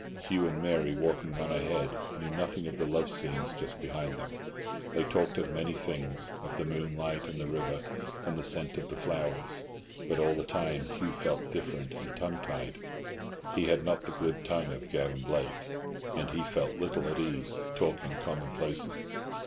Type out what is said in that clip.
Hugh and Mary, walking on ahead, knew nothing of the love scenes just behind them. They talked of many things, of the moonlight and the river and the scent of the flowers, but all the time Hugh felt diffident and tongue tied. He had not the glib tongue of Gavan Blake, and he felt little at ease talking common places.